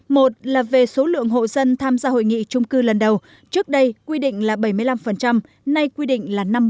một là về số lượng hộ dân tham gia hội nghị trung cư lần đầu trước đây quy định là bảy mươi năm nay quy định là năm mươi